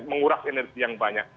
menguras energi yang banyak